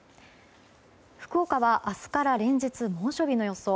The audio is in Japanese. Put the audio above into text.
福岡は明日から連日猛暑日の予想。